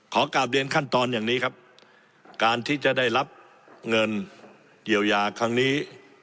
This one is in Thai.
ขอกลับเรียนขั้นตอนอย่างนี้ครับการที่จะได้รับเงินเยียวยาครั้งนี้